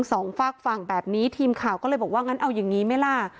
สองฝากฝั่งแบบนี้ทีมข่าวก็เลยบอกว่างั้นเอาอย่างนี้ไหมล่ะ